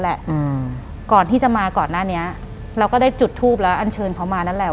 หลังจากนั้นเราไม่ได้คุยกันนะคะเดินเข้าบ้านอืม